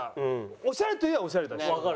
オシャレといえばオシャレだし。